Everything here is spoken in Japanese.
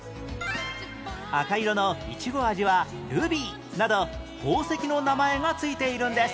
赤色のいちご味は「ルビー」など宝石の名前が付いているんです